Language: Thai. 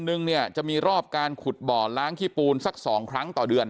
นึงเนี่ยจะมีรอบการขุดบ่อล้างขี้ปูนสัก๒ครั้งต่อเดือน